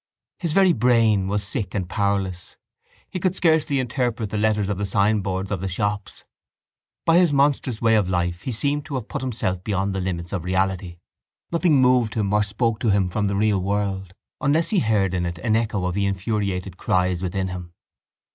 His very brain was sick and powerless. He could scarcely interpret the letters of the signboards of the shops. By his monstrous way of life he seemed to have put himself beyond the limits of reality. Nothing moved him or spoke to him from the real world unless he heard in it an echo of the infuriated cries within him.